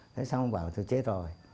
thế xong bảo thôi chết rồi